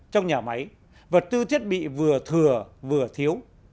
trong nhà máy vật tư thiết bị vừa thừa vừa thiếu